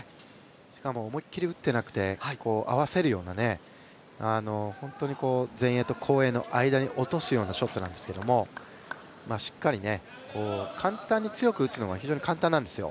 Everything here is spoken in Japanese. しかも思いっきり打ってなくて、合わせるような本当に前衛と後衛の間に落とすようなショットなんですけど強く打つのは非常に簡単なんですよ。